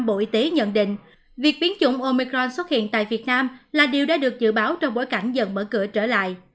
bộ y tế nhận định việc biến chủng omicron xuất hiện tại việt nam là điều đã được dự báo trong bối cảnh dần mở cửa trở lại